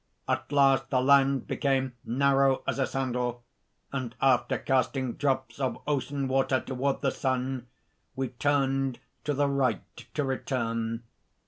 At last the land became narrow as a sandal; and after casting drops of ocean water toward the sun, we turned to the right to return.